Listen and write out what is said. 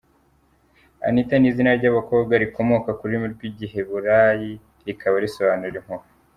Anita ni izina ry’abakobwa rikomoka ku rurimi rw’Igiheburayi rikaba risobanura “Impuhwe”.